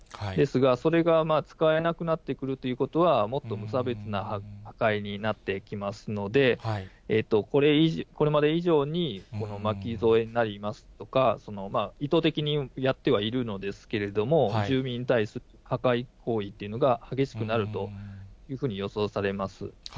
ですが、それが使えなくなってくるということは、もっと無差別な破壊になってきますので、これまで以上に巻き添えになりますとか、意図的にやってはいるのですけれども、住民に対する破壊行為っていうのが、激しくなるというふうに予想されます。